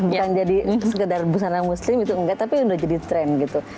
bukan jadi sekedar busana muslim itu enggak tapi udah jadi tren gitu